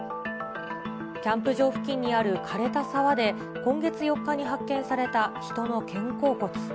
キャンプ場付近にあるかれた沢で今月４日に発見された人の肩甲骨。